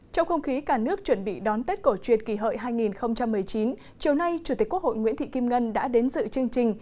trong không khí cả nước chuẩn bị đón tết cổ truyền kỳ hợi hai nghìn một mươi chín chiều nay chủ tịch quốc hội nguyễn thị kim ngân đã đến dự chương trình